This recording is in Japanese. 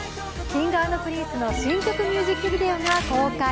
Ｋｉｎｇ＆Ｐｒｉｎｃｅの新作ミュージックビデオが公開。